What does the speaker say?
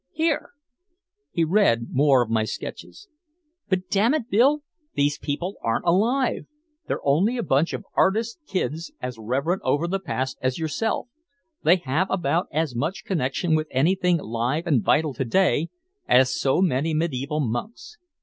"Here!" He read more of my sketches. "But damn it, Bill, these people aren't alive. They're only a bunch of artist kids as reverent over the past as yourself, they have about as much connection with anything live and vital to day as so many mediæval monks.